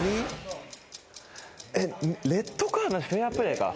レッドカードフェアプレーか。